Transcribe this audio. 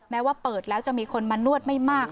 แม้ว่าเปิดแล้วจะมีคนมานวดไม่มาก